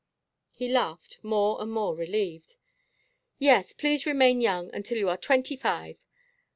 He laughed, more and more relieved. "Yes, please remain young until you are twenty five.